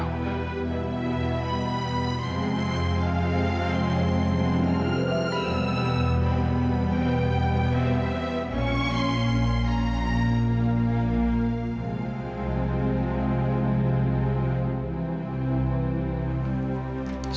aku percaya diri